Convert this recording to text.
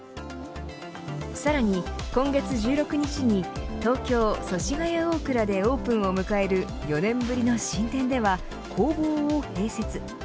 さらに今月１６日に東京・祖師ヶ谷大蔵でオープンを迎える４年ぶりの新店では工房を併設。